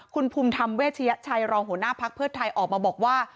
คุณภูมิธรรมเวชยชัยรองหัวหน้าภักดิ์เพื่อไทยออกมาบอกว่า